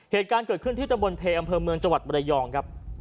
เหตุการณ์เกิดขึ้นที่ตำบลเพอำเภอเมืองจังหวัดบรยองครับ